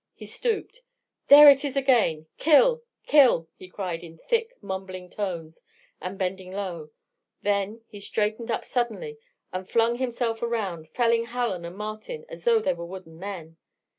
He stooped. "There it is again! 'Kill! kill!'" he cried in thick, mumbling tones, and bending low. Then he straightened up suddenly and flung himself around, felling Hallen and Martin as though they were wooden men.